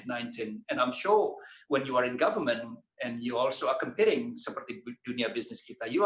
dan saya yakin ketika anda berada di pemerintah dan anda juga berkompetisi seperti dunia bisnis kita anda